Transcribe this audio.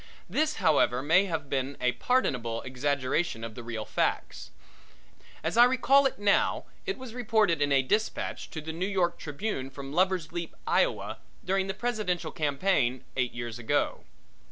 This, however, may have been a pardonable exaggeration of the real facts. As I recall now, it was reported in a dispatch to the New York Tribune from Lover's Leap, Iowa, during the presidential campaign eight years ago.